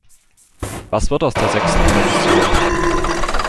Was wird aus der sechsten Revision?